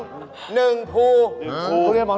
ใช่